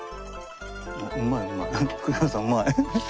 うまいうまい。